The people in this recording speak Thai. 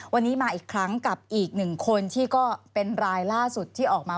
วันนี้มาอีกครั้งกับอีกหนึ่งคนที่ก็เป็นรายล่าสุดที่ออกมา